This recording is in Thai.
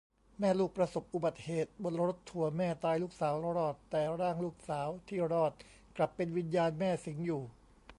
แม่ลูกประสบอุบัติเหตุบนรถทัวร์ แม่ตาย ลูกสาวรอด แต่ร่างลูกสาวที่รอดกลับเป็นวิญญาณแม่สิงอยู่